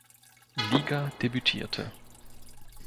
Liga debütierte.